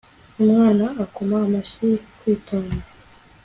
umwana akoma amashyi; kwitonda